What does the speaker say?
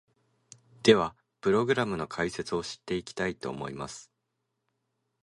では、プログラムの解説をしていきたいと思います！